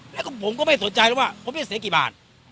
แล้วก็ผมก็ไม่สนใจแล้วว่าผมจะเสียกี่บาท